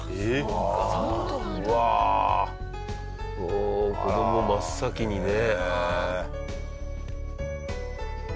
おお子供を真っ先にね。